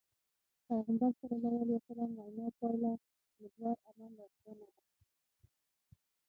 پيغمبر ص وينا پايلهمحور عمل لارښوونه ده.